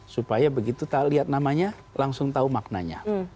supaya begitu tak lihat namanya langsung tahu maknanya